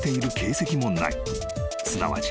［すなわち］